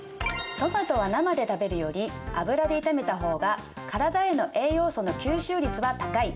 トマトは生で食べるより油で炒めた方がからだへの栄養素の吸収率は高い。